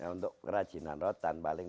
untuk kerajinan rotan